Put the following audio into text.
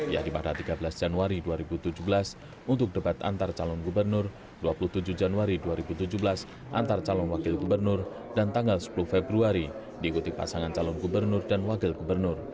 yaitu pada tiga belas januari dua ribu tujuh belas untuk debat antar calon gubernur dua puluh tujuh januari dua ribu tujuh belas antar calon wakil gubernur dan tanggal sepuluh februari diikuti pasangan calon gubernur dan wakil gubernur